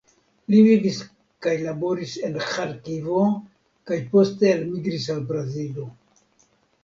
Li vivis kaj laboris en Ĥarkivo kaj poste elmigris al Brazilo.